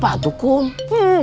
biar tidak ketakutan sekali ya kum